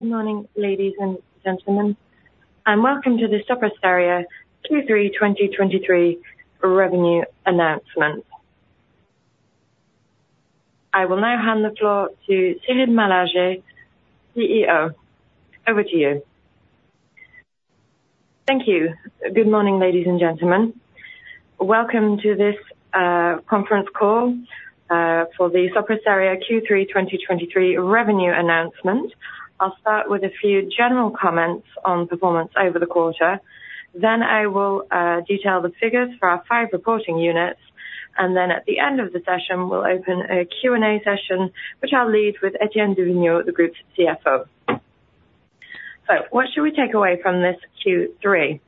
Good morning, ladies and gentlemen, and welcome to the Sopra Steria Q3 2023 Revenue Announcement. I will now hand the floor to Cyril Malargé, CEO. Over to you. Thank you. Good morning, ladies and gentlemen. Welcome to this conference call for the Sopra Steria Q3 2023 revenue announcement. I'll start with a few general comments on performance over the quarter. Then I will detail the figures for our five reporting units, and then at the end of the session, we'll open a Q&A session, which I'll lead with Étienne du Vignaux, the group's CFO. So what should we take away from this Q3?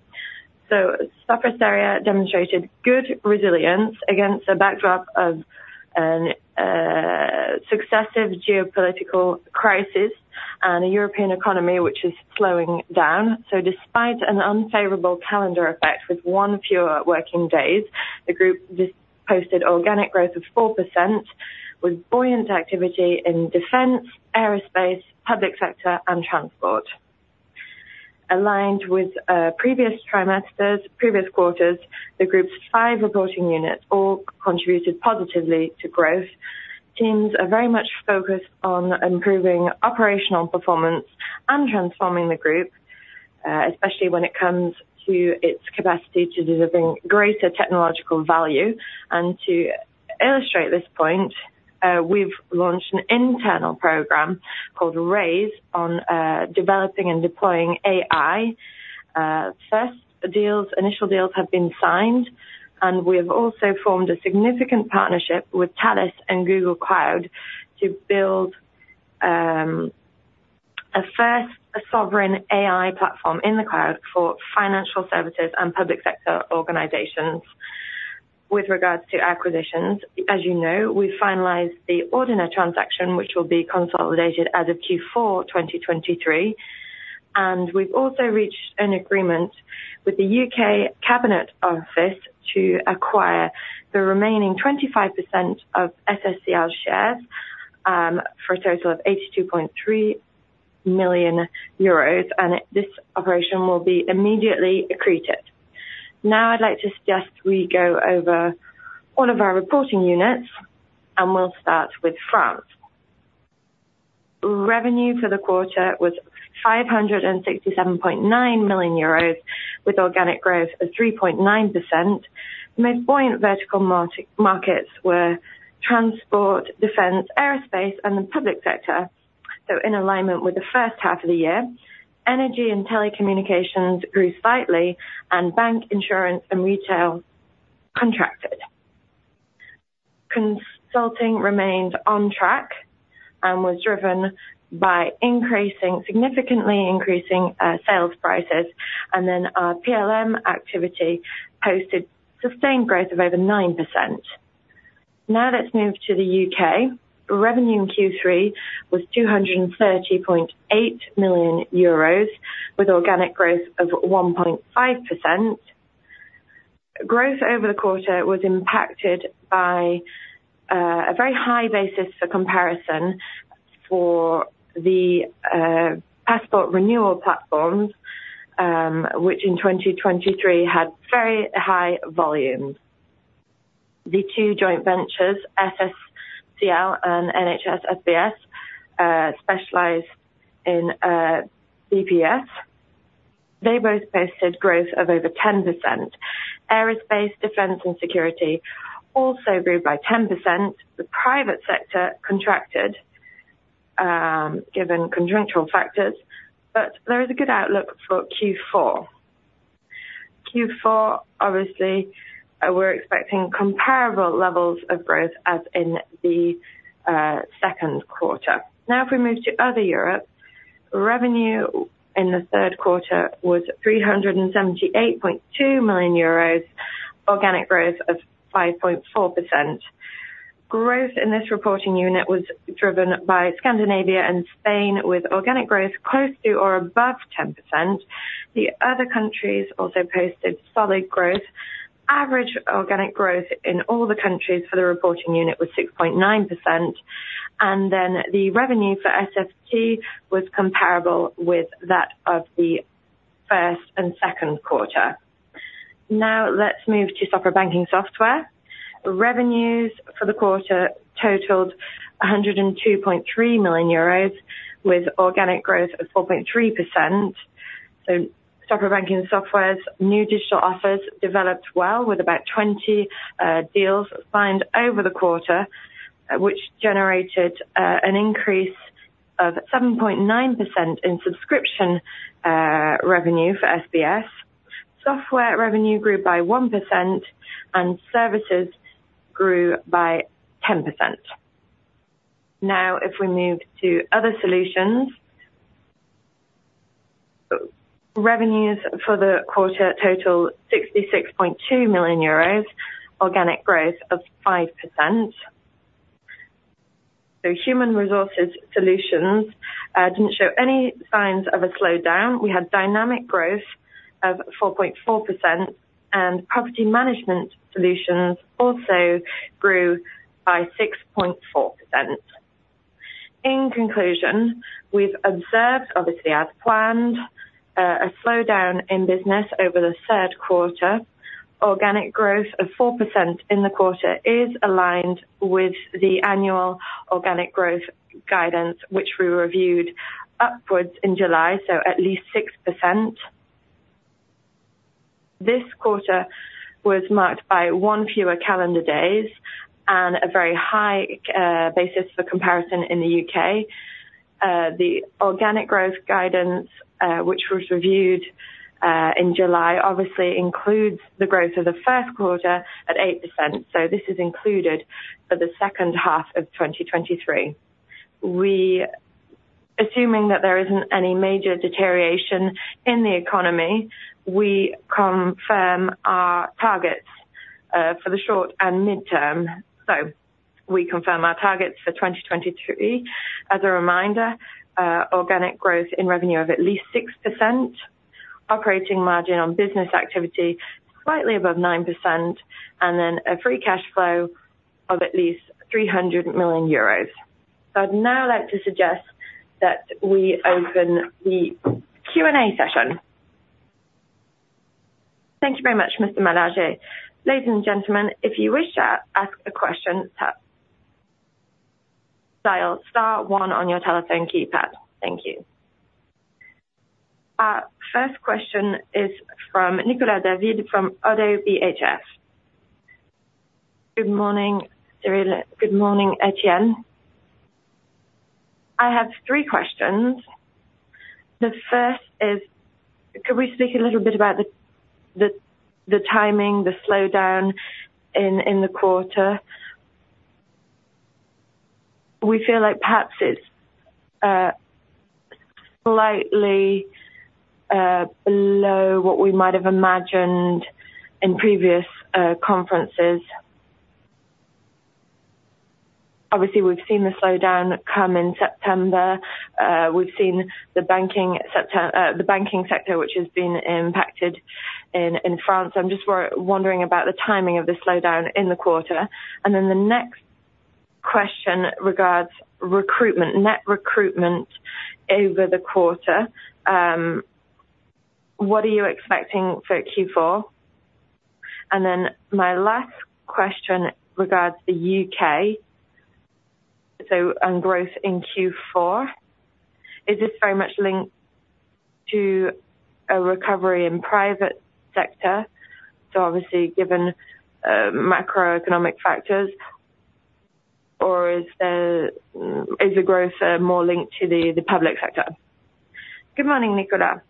Sopra Steria demonstrated good resilience against a backdrop of successive geopolitical crises and a European economy, which is slowing down. Despite an unfavorable calendar effect with one fewer working days, the group just posted organic growth of 4%, with buoyant activity in defense, aerospace, public sector, and transport. Aligned with previous trimesters, previous quarters, the group's five reporting units all contributed positively to growth. Teams are very much focused on improving operational performance and transforming the group, especially when it comes to its capacity to delivering greater technological value. And to illustrate this point, we've launched an internal program called Raise, on developing and deploying AI. First deals, initial deals have been signed, and we have also formed a significant partnership with Thales and Google Cloud to build a first sovereign AI platform in the cloud for financial services and public sector organizations. With regards to acquisitions, as you know, we finalized the Ordina transaction, which will be consolidated as of Q4 2023, and we've also reached an agreement with the UK Cabinet Office to acquire the remaining 25% of SSCL shares for a total of 82.3 million euros, and this operation will be immediately accreted. Now, I'd like to suggest we go over all of our reporting units, and we'll start with France. Revenue for the quarter was 567.9 million euros, with organic growth of 3.9%. The most buoyant vertical markets were transport, defense, aerospace, and the public sector. So in alignment with the first half of the year, energy and telecommunications grew slightly, and bank insurance and retail contracted. Consulting remained on track and was driven by increasing, significantly increasing, sales prices, and then our PLM activity posted sustained growth of over 9%. Now, let's move to the UK. Revenue in Q3 was 230.8 million euros, with organic growth of 1.5%. Growth over the quarter was impacted by a very high basis for comparison for the passport renewal platforms, which in 2023 had very high volumes. The two joint ventures, SSCL and NHS SBS, specialize in BPS. They both posted growth of over 10%. Aerospace, defense, and security also grew by 10%. The private sector contracted, given conjunctural factors, but there is a good outlook for Q4. Q4, obviously, we're expecting comparable levels of growth as in the second quarter. Now, if we move to other Europe, revenue in the third quarter was 378.2 million euros, organic growth of 5.4%. Growth in this reporting unit was driven by Scandinavia and Spain, with organic growth close to or above 10%. The other countries also posted solid growth. Average organic growth in all the countries for the reporting unit was 6.9%, and then the revenue for SFT was comparable with that of the first and second quarter. Now, let's move to Sopra Banking Software. Revenues for the quarter totaled 102.3 million euros, with organic growth of 4.3%. So Sopra Banking Software's new digital offers developed well, with about 20 deals signed over the quarter, which generated an increase of 7.9% in subscription revenue for SBS. Software revenue grew by 1%, and services grew by 10%. Now, if we move to other solutions. Revenues for the quarter total 66.2 million euros, organic growth of 5%. So human resources solutions didn't show any signs of a slowdown. We had dynamic growth-... of 4.4%, and property management solutions also grew by 6.4%. In conclusion, we've observed, obviously, as planned, a slowdown in business over the third quarter. Organic growth of 4% in the quarter is aligned with the annual organic growth guidance, which we reviewed upwards in July, so at least 6%. This quarter was marked by one fewer calendar days and a very high basis for comparison in the UK. The organic growth guidance, which was reviewed in July, obviously includes the growth of the first quarter at 8%, so this is included for the second half of 2023. We, assuming that there isn't any major deterioration in the economy, we confirm our targets for the short and midterm. So we confirm our targets for 2023. As a reminder, organic growth in revenue of at least 6%, operating margin on business activity, slightly above 9%, and then a free cash flow of at least 300 million euros. I'd now like to suggest that we open the Q&A session. Thank you very much, Mr. Malargé. Ladies and gentlemen, if you wish to ask a question, press dial star one on your telephone keypad. Thank you. Our first question is from Nicolas David from ODDO BHF. Good morning, Cyril. Good morning, Étienne. I have three questions. The first is, could we speak a little bit about the timing, the slowdown in the quarter? We feel like perhaps it's slightly below what we might have imagined in previous conferences. Obviously, we've seen the slowdown come in September. We've seen the banking sector, which has been impacted in France. I'm just wondering about the timing of the slowdown in the quarter. And then the next question regards recruitment, net recruitment over the quarter. What are you expecting for Q4? And then my last question regards the UK. So on growth in Q4, is this very much linked to a recovery in private sector, so obviously, given macroeconomic factors, or is the growth more linked to the public sector? Good morning, Nicolas.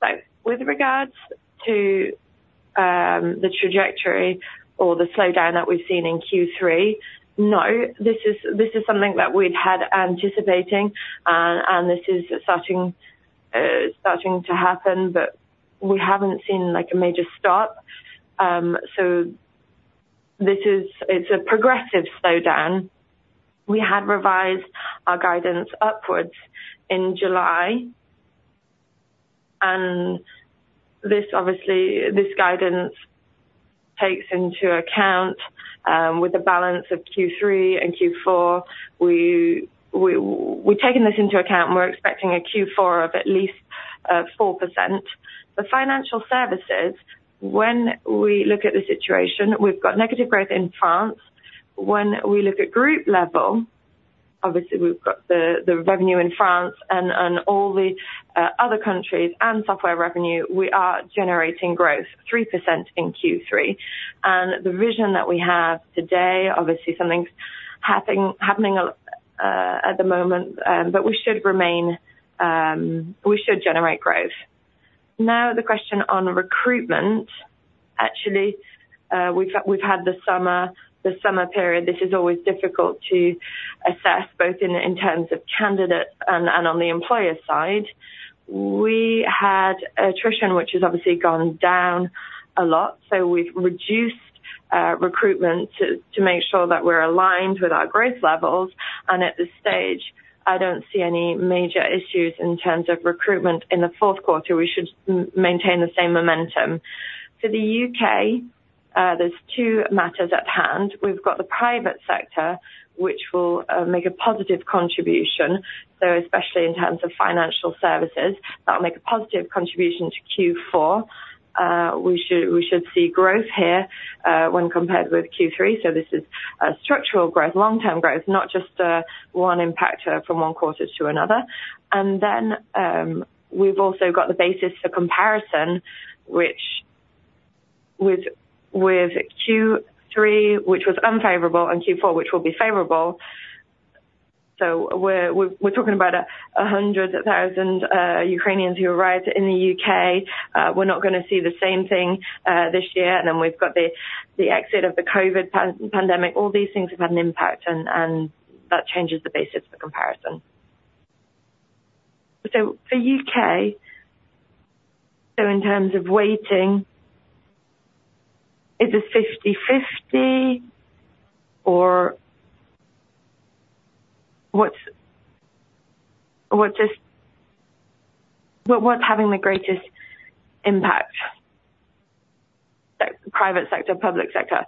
So with regards to the trajectory or the slowdown that we've seen in Q3, no, this is something that we'd had anticipating, and this is starting to happen, but we haven't seen, like, a major stop. So this is. It's a progressive slowdown. We had revised our guidance upwards in July, and this obviously, this guidance takes into account, with the balance of Q3 and Q4, we've taken this into account, and we're expecting a Q4 of at least 4%. The financial services, when we look at the situation, we've got negative growth in France. When we look at group level, obviously, we've got the revenue in France and all the other countries, and software revenue, we are generating growth 3% in Q3. The vision that we have today, obviously something's happening at the moment, but we should remain, we should generate growth. Now, the question on recruitment. Actually, we've had the summer period. This is always difficult to assess, both in terms of candidates and on the employer side. We had attrition, which has obviously gone down a lot, so we've reduced recruitment to make sure that we're aligned with our growth levels. At this stage, I don't see any major issues in terms of recruitment. In the fourth quarter, we should maintain the same momentum. For the UK, there's two matters at hand. We've got the private sector, which will make a positive contribution. So especially in terms of financial services, that'll make a positive contribution to Q4. We should see growth here when compared with Q3. This is a structural growth, long-term growth, not just one impactor from one quarter to another. Then we've also got the basis for comparison, which, with Q3, which was unfavorable, and Q4, which will be favorable. So we're talking about 100,000 Ukrainians who arrived in the U.K. We're not gonna see the same thing this year. And then we've got the exit of the COVID pandemic. All these things have had an impact and that changes the basis for comparison. So for U.K., so in terms of weighting, is it 50/50? What, what's having the greatest impact? Private sector, public sector.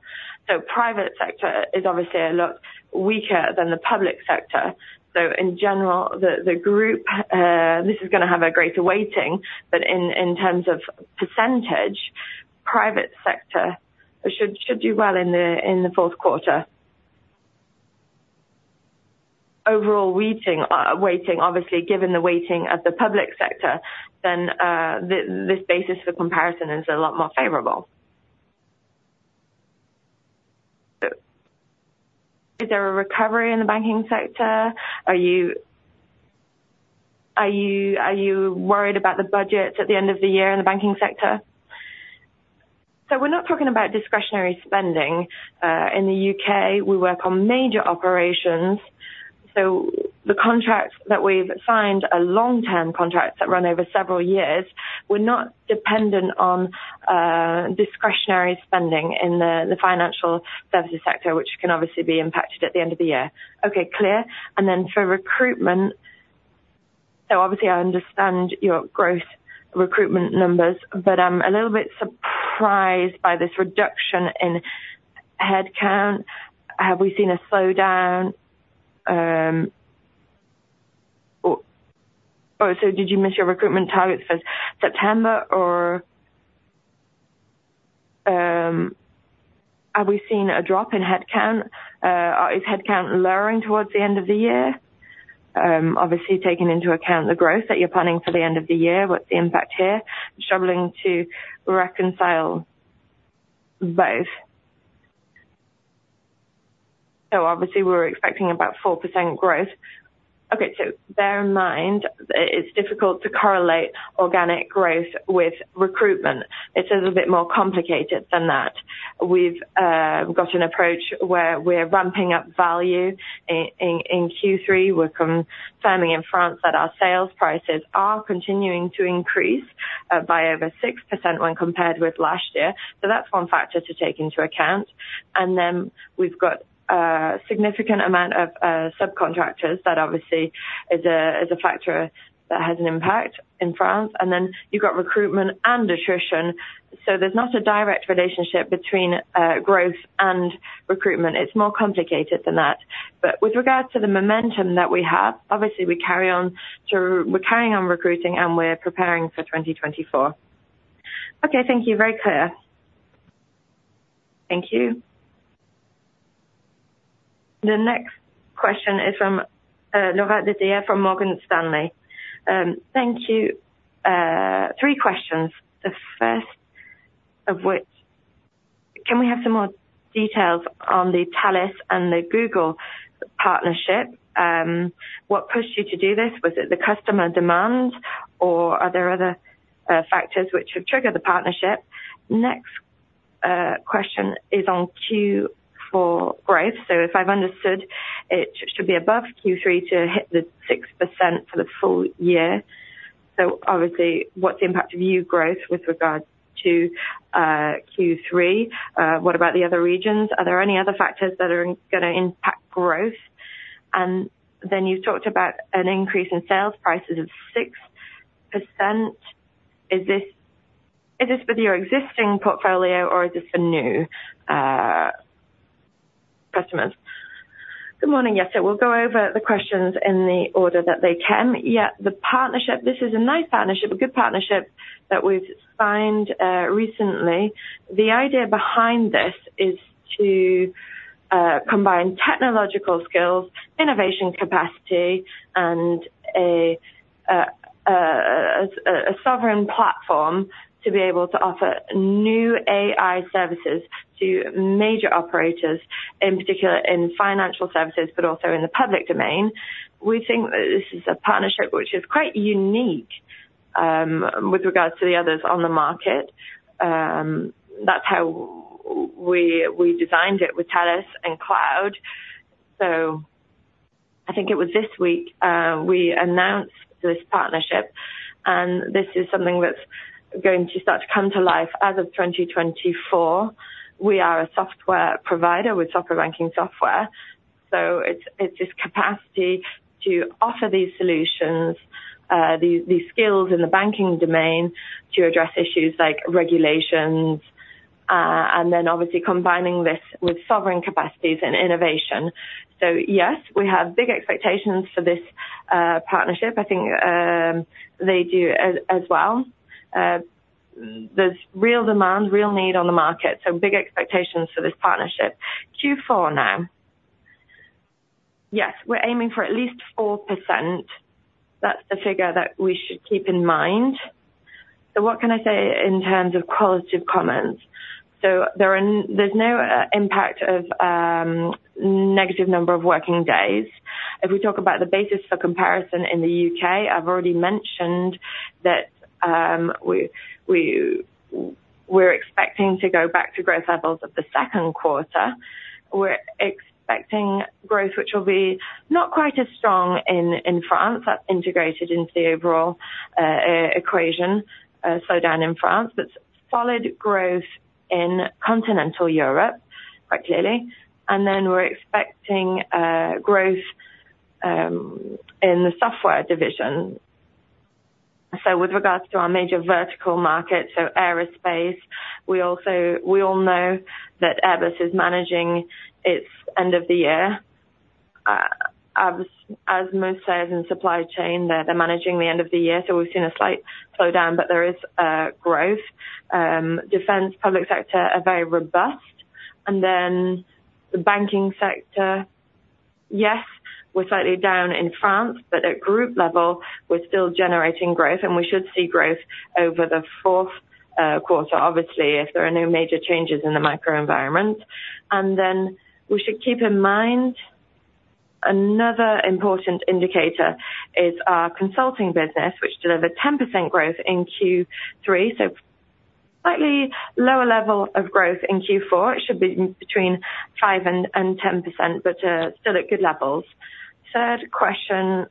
So private sector is obviously a lot weaker than the public sector. So in general, the group this is gonna have a greater weighting, but in terms of percentage, private sector should do well in the fourth quarter. Overall weighting, obviously, given the weighting of the public sector, then this basis for comparison is a lot more favorable. Is there a recovery in the banking sector? Are you, are you, are you worried about the budgets at the end of the year in the banking sector? So we're not talking about discretionary spending. In the U.K., we work on major operations, so the contracts that we've signed are long-term contracts that run over several years. We're not dependent on discretionary spending in the financial services sector, which can obviously be impacted at the end of the year. Okay, clear. And then for recruitment. So obviously I understand your growth recruitment numbers, but I'm a little bit surprised by this reduction in headcount. Have we seen a slowdown? So did you miss your recruitment targets for September, or have we seen a drop in headcount? Is headcount lowering towards the end of the year? Obviously, taking into account the growth that you're planning for the end of the year, what's the impact here? Struggling to reconcile both. So obviously, we're expecting about 4% growth. Okay, so bear in mind, it's difficult to correlate organic growth with recruitment. It is a bit more complicated than that. We've got an approach where we're ramping up value in Q3. We're confirming in France that our sales prices are continuing to increase by over 6% when compared with last year. So that's one factor to take into account. And then we've got a significant amount of subcontractors. That obviously is a factor that has an impact in France. And then you've got recruitment and attrition. So there's not a direct relationship between growth and recruitment. It's more complicated than that. But with regards to the momentum that we have, obviously, we carry on to, we're carrying on recruiting, and we're preparing for 2024. Okay. Thank you. Very clear. Thank you. The next question is from Laura Metayer from Morgan Stanley. Thank you. Three questions, the first of which... Can we have some more details on the Thales and the Google partnership? What pushed you to do this? Was it the customer demand, or are there other factors which have triggered the partnership? Next question is on Q4 growth. So if I've understood, it should be above Q3 to hit the 6% for the full year. So obviously, what's the impact of new growth with regards to Q3? What about the other regions? Are there any other factors that are gonna impact growth? Then you talked about an increase in sales prices of 6%. Is this, is this with your existing portfolio, or is this for new customers? Good morning. Yes. So we'll go over the questions in the order that they came. Yeah, the partnership, this is a nice partnership, a good partnership that we've signed recently. The idea behind this is to combine technological skills, innovation capacity, and a sovereign platform to be able to offer new AI services to major operators, in particular in financial services, but also in the public domain. We think that this is a partnership which is quite unique, with regards to the others on the market. That's how we designed it with Thales and Cloud. I think it was this week we announced this partnership, and this is something that's going to start to come to life as of 2024. We are a software provider with Sopra Banking Software, so it's this capacity to offer these solutions, these skills in the banking domain to address issues like regulations, and then obviously combining this with sovereign capacities and innovation. So yes, we have big expectations for this partnership. I think they do as well. There's real demand, real need on the market, so big expectations for this partnership. Q4 now. Yes, we're aiming for at least 4%. That's the figure that we should keep in mind. So what can I say in terms of qualitative comments? So there's no impact of negative number of working days. If we talk about the basis for comparison in the UK, I've already mentioned that, we're expecting to go back to growth levels of the second quarter. We're expecting growth, which will be not quite as strong in France. That's integrated into the overall equation, slowdown in France, but solid growth in continental Europe, quite clearly, and then we're expecting growth in the software division. So with regards to our major vertical market, so aerospace, we also know that Airbus is managing its end of the year. As most sites in supply chain, they're managing the end of the year, so we've seen a slight slowdown, but there is growth. Defense, public sector are very robust. And then the banking sector, yes, we're slightly down in France, but at group level, we're still generating growth, and we should see growth over the fourth quarter. Obviously, if there are no major changes in the microenvironment. And then we should keep in mind, another important indicator is our consulting business, which delivered 10% growth in Q3. So slightly lower level of growth in Q4. It should be between 5% and 10%, but still at good levels. Third question,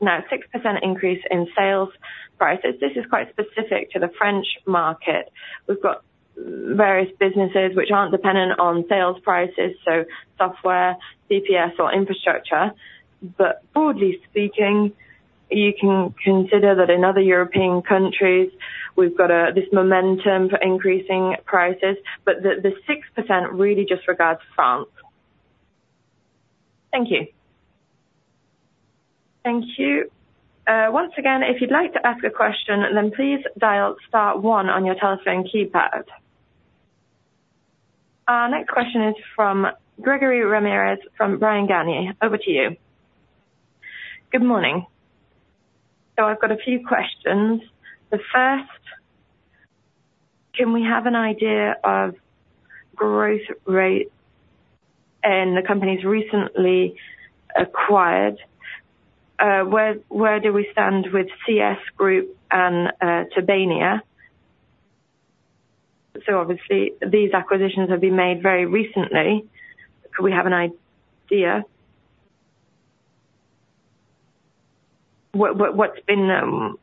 now, 6% increase in sales prices. This is quite specific to the French market. We've got various businesses which aren't dependent on sales prices, so software, BPS or infrastructure. But broadly speaking, you can consider that in other European countries, we've got this momentum for increasing prices, but the 6% really just regards France. Thank you. Thank you. Once again, if you'd like to ask a question, then please dial star one on your telephone keypad. Our next question is from Grégory Ramirez, from Bryan, Garnier & Co. Over to you. Good morning. So I've got a few questions. The first, can we have an idea of growth rate in the companies recently acquired? Where do we stand with CS Group and Tobania? So obviously, these acquisitions have been made very recently. Could we have an idea? What's been,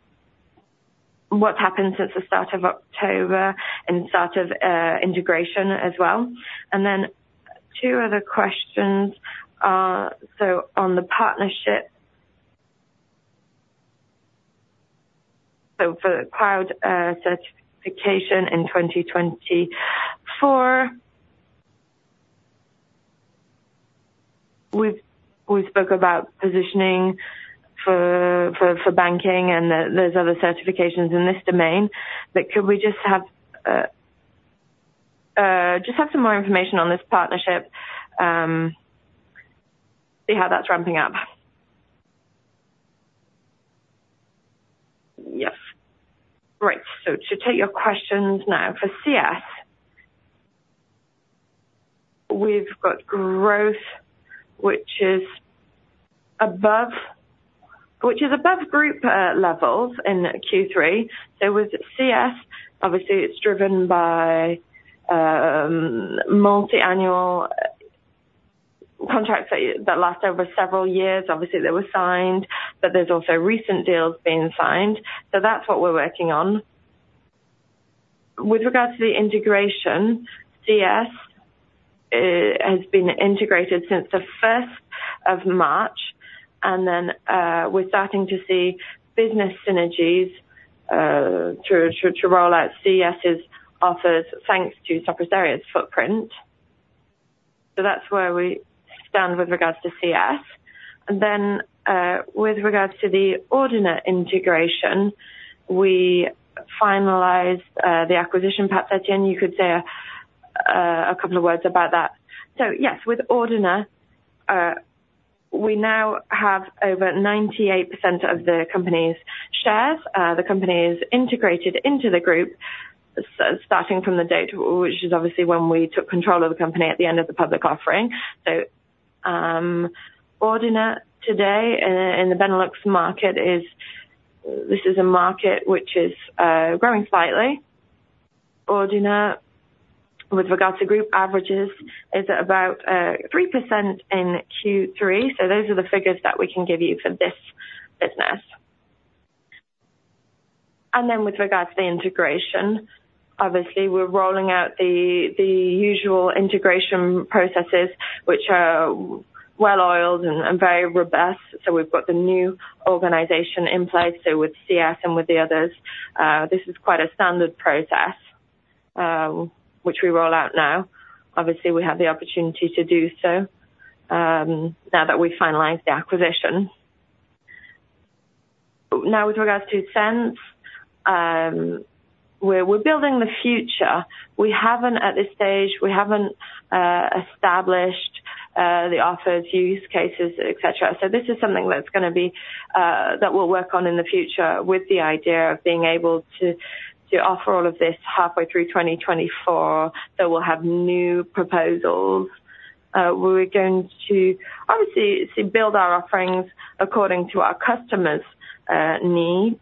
what's happened since the start of October and start of integration as well? And then two other questions. So on the partnership, so for the cloud certification in 2024, we spoke about positioning for banking and those other certifications in this domain. But could we just have some more information on this partnership, see how that's ramping up? Yes. Great. So to take your questions now for CS. We've got growth, which is above group levels in Q3. So with CS, obviously, it's driven by multi-annual contracts that last over several years. Obviously, they were signed, but there's also recent deals being signed. So that's what we're working on. With regards to the integration, CS has been integrated since the first of March, and then we're starting to see business synergies to roll out CS's offers, thanks to Sopra Steria's footprint. So that's where we stand with regards to CS. And then, with regards to the Ordina integration, we finalized the acquisition. Patrick, you could say a couple of words about that. So yes, with Ordina, we now have over 98% of the company's shares. The company is integrated into the group, starting from the date, which is obviously when we took control of the company at the end of the public offering. So, Ordina today, in the Benelux market is... This is a market which is, growing slightly. Ordina, with regards to group averages, is about, 3% in Q3. So those are the figures that we can give you for this business. And then with regards to the integration, obviously, we're rolling out the, the usual integration processes, which are well-oiled and, and very robust. So we've got the new organization in place. So with CS and with the others, this is quite a standard process, which we roll out now. Obviously, we have the opportunity to do so, now that we finalized the acquisition. Now with regards to S3NS, we're building the future. We haven't, at this stage, we haven't established the offered use cases, et cetera. So this is something that's gonna be that we'll work on in the future with the idea of being able to offer all of this halfway through 2024. So we'll have new proposals. We're going to obviously to build our offerings according to our customers' needs.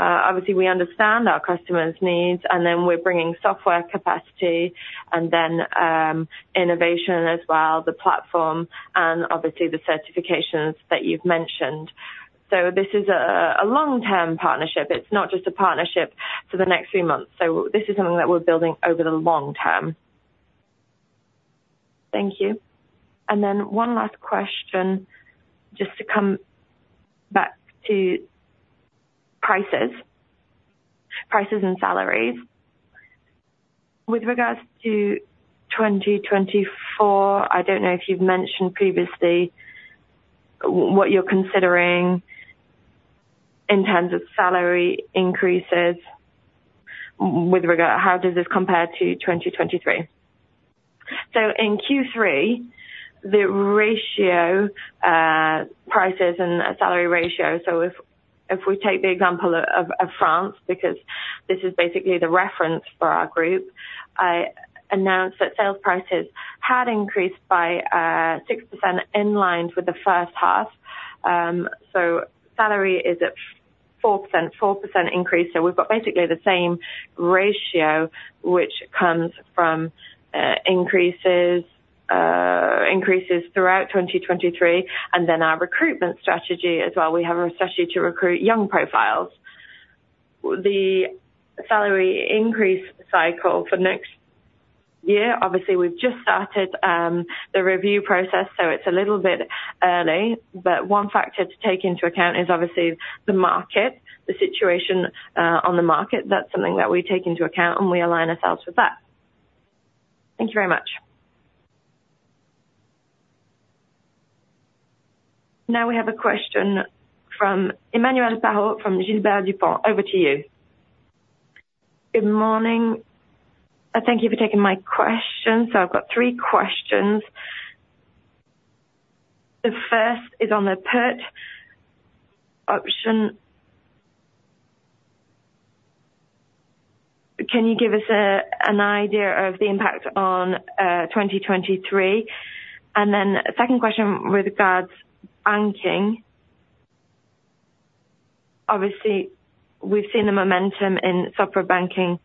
Obviously, we understand our customers' needs, and then we're bringing software capacity and then innovation as well, the platform and obviously the certifications that you've mentioned. So this is a long-term partnership. It's not just a partnership for the next few months. So this is something that we're building over the long term. Thank you. And then one last question, just to come back to prices, prices and salaries. With regards to 2024, I don't know if you've mentioned previously, what you're considering in terms of salary increases with regard... How does this compare to 2023? So in Q3, the ratio, prices and salary ratio. So if we take the example of France, because this is basically the reference for our group, I announced that sales prices had increased by 6% in line with the first half. So salary is at 4%, 4% increase. So we've got basically the same ratio, which comes from increases, increases throughout 2023, and then our recruitment strategy as well. We have a strategy to recruit young profiles. The salary increase cycle for next year, obviously, we've just started the review process, so it's a little bit early, but one factor to take into account is obviously the market, the situation on the market. That's something that we take into account, and we align ourselves with that. Thank you very much. Now we have a question from Emmanuel Parot, from Gilbert Dupont. Over to you. Good morning. Thank you for taking my question. So I've got three questions. The first is on the put option. Can you give us an idea of the impact on 2023? And then second question with regards banking. Obviously, we've seen the momentum in software banking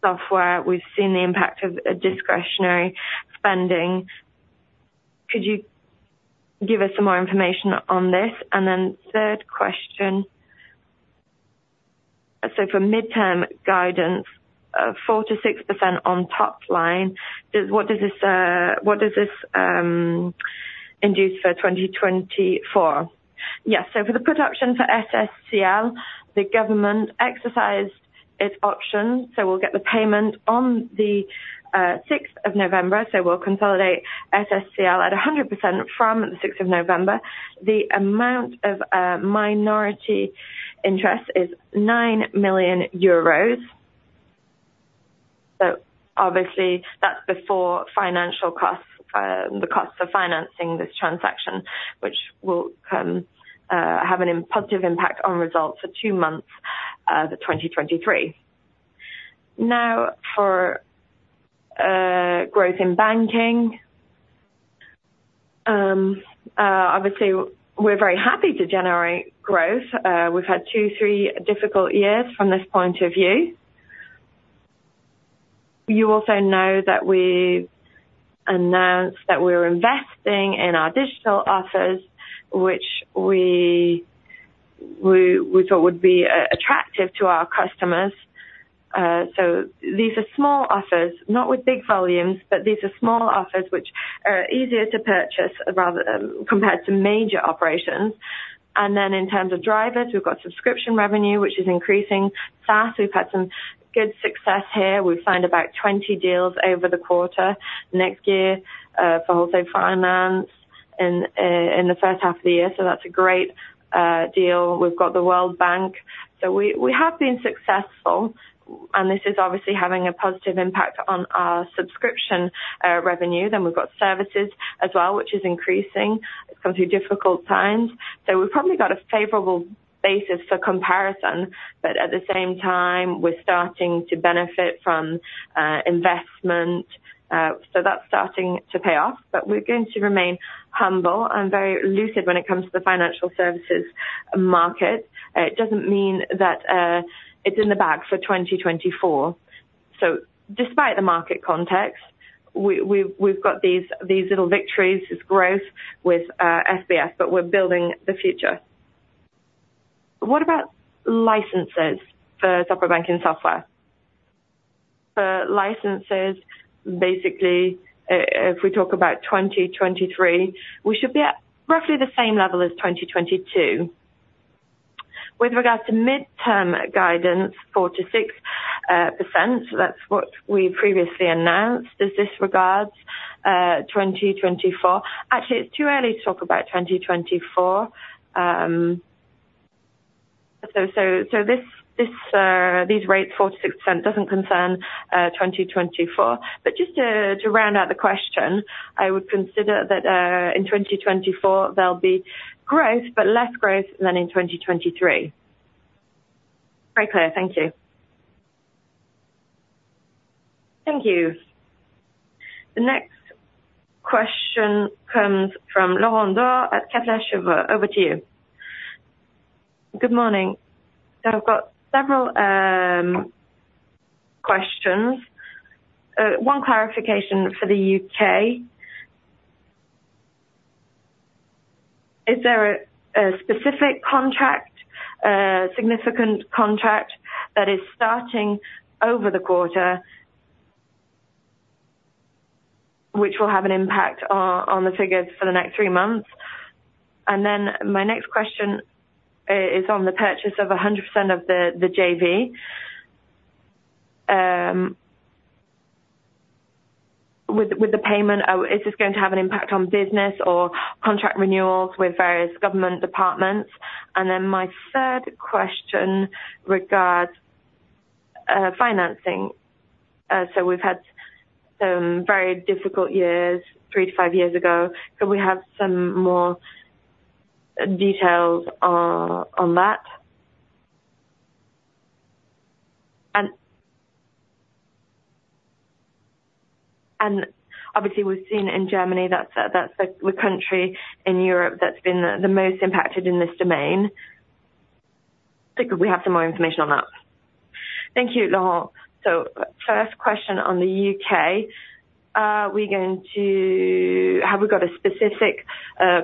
software. We've seen the impact of a discretionary spending. Could you give us some more information on this? And then third question: so for midterm guidance, 4%-6% on top line, does—what does this induce for 2024? Yes. So for the put option for SSCL, the government exercised its option, so we'll get the payment on the sixth of November. So we'll consolidate SSCL at 100% from the sixth of November. The amount of minority interest is 9 million euros. So obviously, that's before financial costs, the cost of financing this transaction, which will have an immediate positive impact on results for two months, 2023. Now, for growth in banking, obviously, we're very happy to generate growth. We've had two, three difficult years from this point of view. You also know that we've announced that we're investing in our digital offers, which we thought would be attractive to our customers. So these are small offers, not with big volumes, but these are small offers which are easier to purchase rather than, compared to major operations. And then in terms of drivers, we've got subscription revenue, which is increasing fast. We've had some good success here. We've signed about 20 deals over the quarter. Next year, for Wholesale Finance in the first half of the year. So that's a great deal. We've got the World Bank. So we have been successful, and this is obviously having a positive impact on our subscription revenue. Then we've got services as well, which is increasing. It's gone through difficult times. So we've probably got a favorable basis for comparison, but at the same time, we're starting to benefit from investment, so that's starting to pay off. But we're going to remain humble and very lucid when it comes to the financial services market. It doesn't mean that it's in the bag for 2024. So despite the market context, we've got these little victories, this growth with SBS, but we're building the future. What about licenses for software banking software? For licenses, basically, if we talk about 2023, we should be at roughly the same level as 2022. With regards to midterm guidance, 4%-6%. So that's what we previously announced. Does this regards 2024? Actually, it's too early to talk about 2024. So, these rates, 4%-6%, doesn't concern 2024. But just to round out the question, I would consider that in 2024, there'll be growth, but less growth than in 2023. Very clear. Thank you. Thank you. The next question comes from Laurent Daure at Kepler Cheuvreux. Over to you. Good morning. So I've got several questions. One clarification for the UK. Is there a specific contract, a significant contract that is starting over the quarter, which will have an impact on the figures for the next three months? And then my next question is on the purchase of 100% of the JV. With the payment, is this going to have an impact on business or contract renewals with various government departments? And then my third question regards financing. So we've had some very difficult years, 3-5 years ago. Could we have some more details on that? And obviously, we've seen in Germany, that's the country in Europe that's been the most impacted in this domain. Think if we have some more information on that. Thank you, Laura. So first question on the UK. Have we got a specific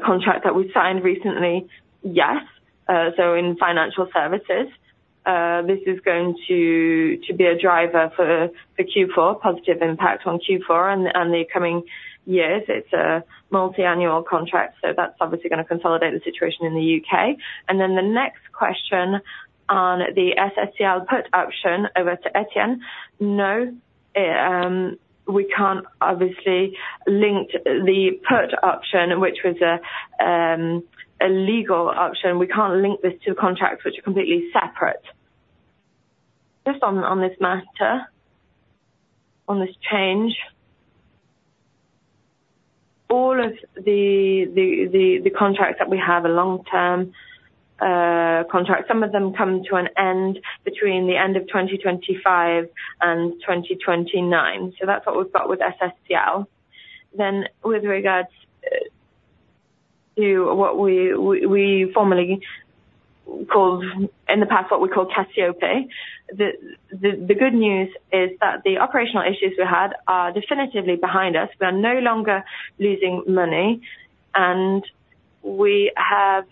contract that we signed recently? Yes. So in financial services, this is going to be a driver for the Q4, positive impact on Q4 and the coming years. It's a multi-annual contract, so that's obviously going to consolidate the situation in the UK. And then the next question on the SSCL put option over to Étienne. No, we can't obviously link the put option, which was a legal option. We can't link this to contracts which are completely separate. Just on this matter, on this change, all of the contracts that we have, a long-term contract, some of them come to an end between the end of 2025 and 2029. So that's what we've got with SSCL. Then with regards to what we formerly called, in the past, what we call Cassiopae. The good news is that the operational issues we had are definitively behind us. We are no longer losing money, and we have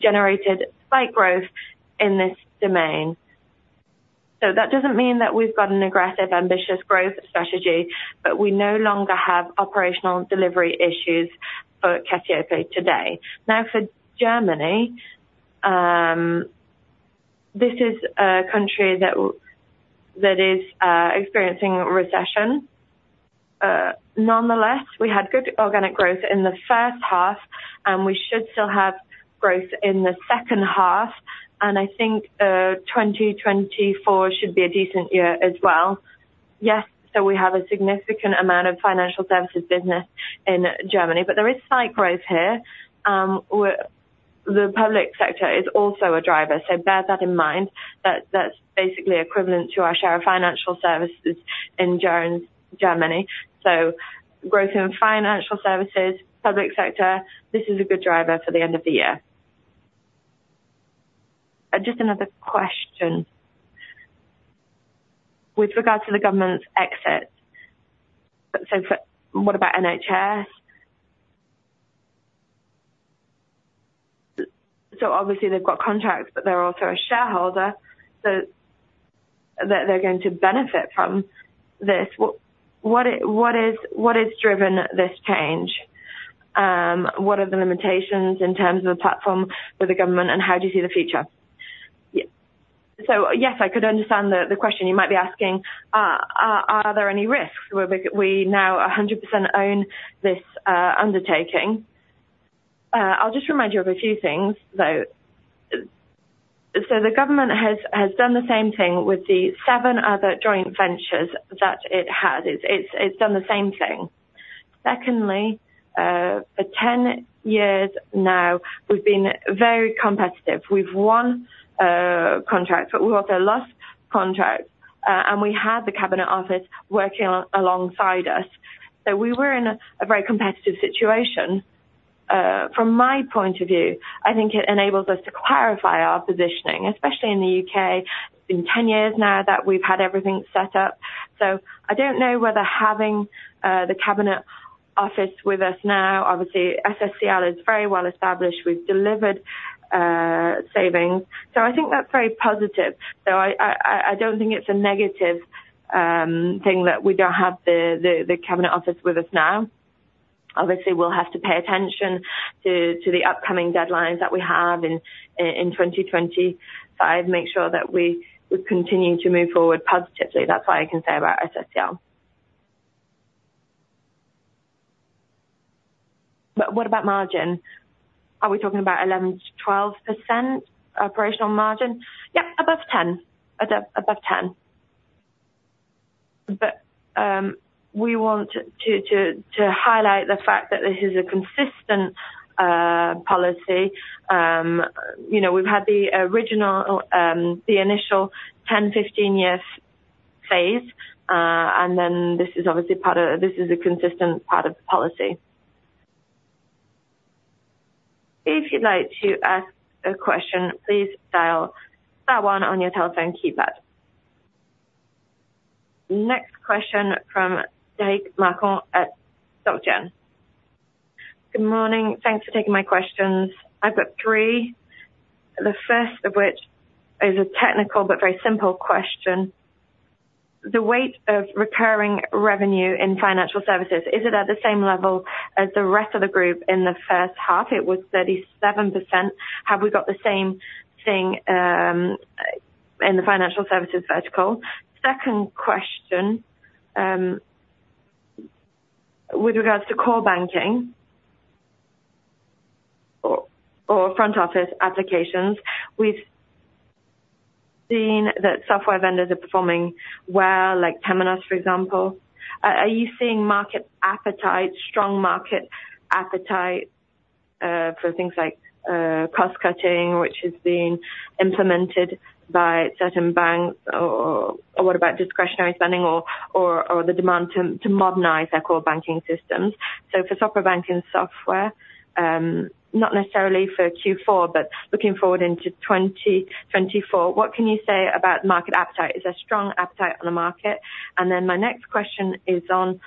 generated slight growth in this domain. So that doesn't mean that we've got an aggressive, ambitious growth strategy, but we no longer have operational delivery issues for Cassiopae today. Now, for Germany, this is a country that is experiencing recession. Nonetheless, we had good organic growth in the first half, and we should still have growth in the second half, and I think, 2024 should be a decent year as well. Yes, so we have a significant amount of financial services business in Germany, but there is slight growth here. The public sector is also a driver, so bear that in mind. That's basically equivalent to our share of financial services in Germany. So growth in financial services, public sector, this is a good driver for the end of the year. Just another question. With regards to the government's exits, so what about NHS? So obviously, they've got contracts, but they're also a shareholder, so that they're going to benefit from this. What has driven this change? What are the limitations in terms of the platform for the government, and how do you see the future? So, yes, I could understand the question you might be asking. Are there any risks? We now 100% own this undertaking. I'll just remind you of a few things, though. So the government has done the same thing with the seven other joint ventures that it has. It's done the same thing. Secondly, for 10 years now, we've been very competitive. We've won contracts, but we also lost contracts, and we had the Cabinet Office working alongside us. So we were in a very competitive situation. From my point of view, I think it enables us to clarify our positioning, especially in the UK. It's been 10 years now that we've had everything set up. So I don't know whether having the Cabinet Office with us now, obviously, SSCL is very well established. We've delivered savings. So I think that's very positive. So I don't think it's a negative thing that we don't have the Cabinet Office with us now. Obviously, we'll have to pay attention to the upcoming deadlines that we have in 2025, make sure that we continue to move forward positively. That's all I can say about SSCL. But what about margin? Are we talking about 11%-12% operational margin? Yeah, above 10. Above 10. But we want to highlight the fact that this is a consistent policy. You know, we've had the original, the initial 10, 15 years-... phase, and then this is obviously part of, this is a consistent part of the policy. If you'd like to ask a question, please dial star one on your telephone keypad. Next question from Derric Marcon at Société Générale. Good morning. Thanks for taking my questions. I've got three, the first of which is a technical but very simple question. The weight of recurring revenue in financial services, is it at the same level as the rest of the group? In the first half, it was 37%. Have we got the same thing in the financial services vertical? Second question, with regards to core banking or front office applications, we've seen that software vendors are performing well, like Temenos, for example. Are you seeing market appetite, strong market appetite, for things like cost cutting, which is being implemented by certain banks? What about discretionary spending or the demand to modernize their core banking systems? So for software banking software, not necessarily for Q4, but looking forward into 2024, what can you say about market appetite? Is there a strong appetite on the market? And then my next question is on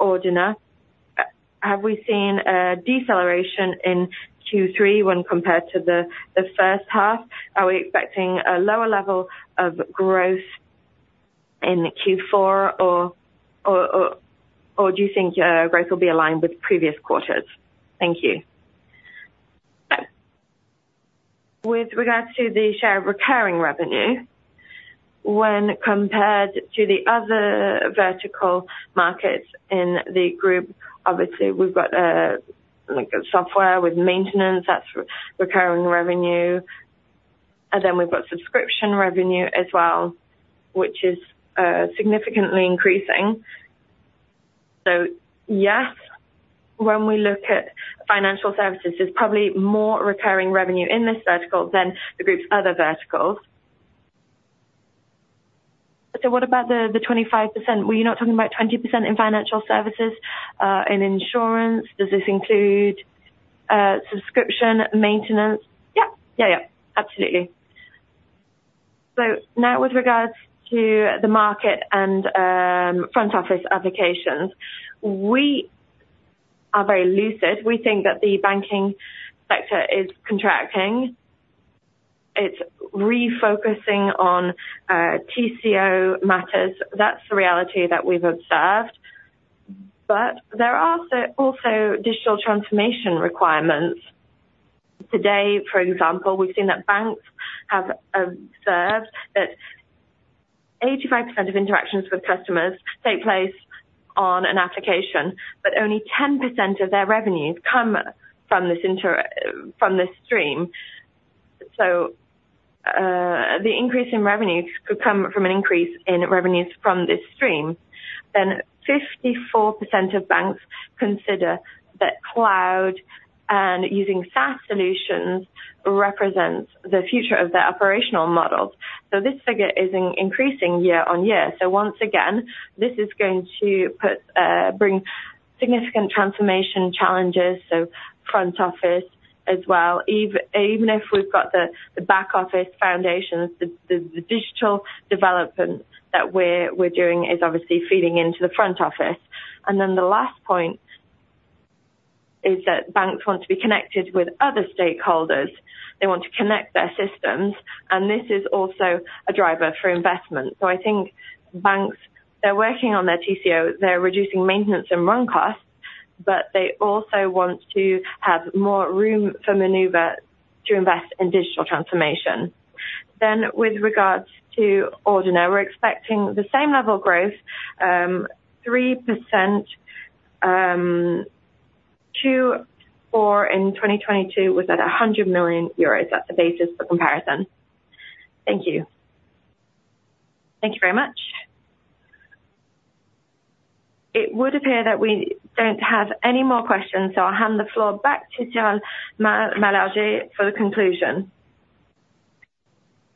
Ordina. Have we seen a deceleration in Q3 when compared to the first half? Are we expecting a lower level of growth in Q4? Or do you think growth will be aligned with previous quarters? Thank you. With regards to the share of recurring revenue, when compared to the other vertical markets in the group, obviously, we've got, like, software with maintenance, that's recurring revenue, and then we've got subscription revenue as well, which is significantly increasing. So yes, when we look at financial services, there's probably more recurring revenue in this vertical than the group's other verticals. So what about the 25%? Were you not talking about 20% in financial services in insurance? Does this include subscription, maintenance? Yeah. Yeah, yeah. Absolutely. So now with regards to the market and front office applications, we are very lucid. We think that the banking sector is contracting. It's refocusing on TCO matters. That's the reality that we've observed. But there are also digital transformation requirements. Today, for example, we've seen that banks have observed that 85% of interactions with customers take place on an application, but only 10% of their revenues come from this stream. So the increase in revenue could come from an increase in revenues from this stream. Then 54% of banks consider that cloud and using SaaS solutions represents the future of their operational models. So this figure is increasing year on year. So once again, this is going to put, bring significant transformation challenges, so front office as well. Even if we've got the digital development that we're doing is obviously feeding into the front office. And then the last point is that banks want to be connected with other stakeholders. They want to connect their systems, and this is also a driver for investment. So I think banks, they're working on their TCO, they're reducing maintenance and run costs, but they also want to have more room for maneuver to invest in digital transformation. Then with regards to Ordina, we're expecting the same level of growth, 3%, 2%-4% in 2022, was at 100 million euros. That's the basis for comparison. Thank you. Thank you very much. It would appear that we don't have any more questions, so I'll hand the floor back to Cyril Malargé for the conclusion.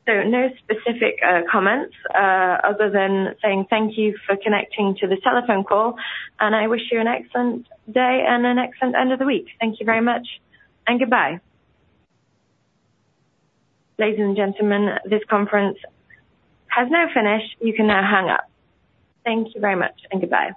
So no specific comments other than saying thank you for connecting to this telephone call, and I wish you an excellent day and an excellent end of the week. Thank you very much and goodbye. Ladies and gentlemen, this conference has now finished. You can now hang up. Thank you very much and goodbye.